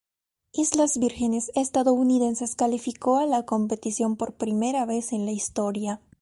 Islas Vírgenes Estadounidenses clasificó a la competición por primera vez en la historia.